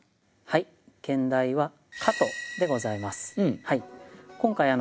兼題は「蝌蚪」でございます。